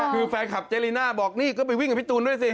คือแฟนคลับเจลีน่าบอกนี่ก็ไปวิ่งกับพี่ตูนด้วยสิ